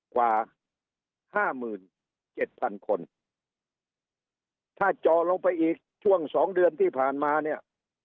กว่าห้าหมื่นเจ็ดพันคนถ้าจอลงไปอีกช่วงสองเดือนที่ผ่านมาเนี่ย